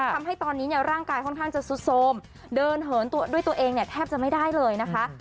ทำให้ตอนนี้เนี่ยร่างกายค่อนข้างจะซุดโทรมเดินเหินด้วยตัวเองเนี่ยแทบจะไม่ได้เลยนะคะ